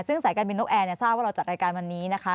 ซึ่งสายการบินนกแอร์ทราบว่าเราจัดรายการวันนี้นะคะ